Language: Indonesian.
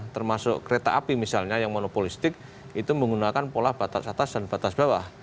termasuk kereta api misalnya yang monopolistik itu menggunakan pola batas atas dan batas bawah